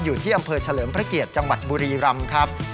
อยู่ที่อำเภอเฉลิมพระเกียรติจังหวัดบุรีรำครับ